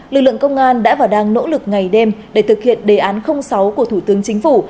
lực lượng công an đã và đang nỗ lực ngày đêm để thực hiện đề án sáu của thủ tướng chính phủ